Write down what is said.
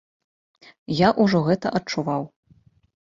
Я ўжо гэта адчуваў.